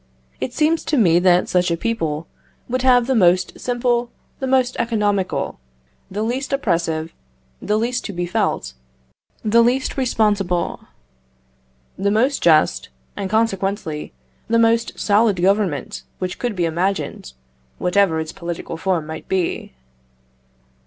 It seems to me that such a people would have the most simple, the most economical, the least oppressive, the least to be felt, the least responsible, the most just, and, consequently, the most solid Government which could be imagined, whatever its political form might be.